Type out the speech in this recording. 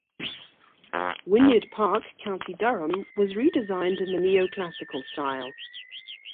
Wynyard Park, County Durham was redesigned in the Neo-classical style.